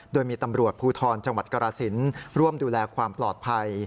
โดยมีตำรวจภูทรจังหวัดกรสินร่วมดูแลความปลอดภัย